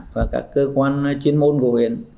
và các cơ quan chuyên môn của huyện